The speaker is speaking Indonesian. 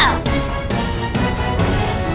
aku menginginkan anchor buur diri